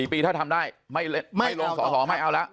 ๔ปีถ้าทำได้ไม่ลงสอสอไม่เอาแล้ว